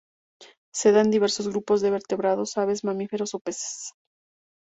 Se da en diversos grupos de vertebrados, aves, mamíferos, o peces.